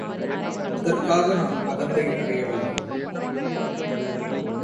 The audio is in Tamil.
அதற்காக நான் அகந்தை அடையவில்லை.